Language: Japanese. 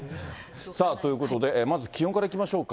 さあ、ということで、まずは気温からいきましょうか。